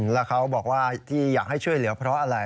แล้วเขาบอกว่าที่อยากให้ช่วยเหลือเพราะอะไร